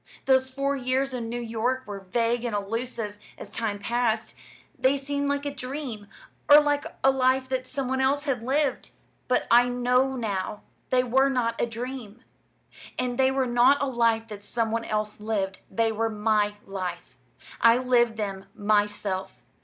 Those four years in New York were vague and elusive, as time passed. They seemed like a dream, or like a life that some one else had lived. But I know now; they were not a dream, and they were not a life that some one else lived. They were my life. I lived them myself.